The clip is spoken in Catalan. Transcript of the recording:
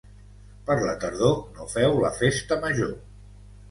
Per la tardor no feu la festa major.